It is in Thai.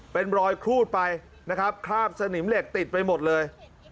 เป็นรอยครูดไปนะครับคราบสนิมเหล็กติดไปหมดเลย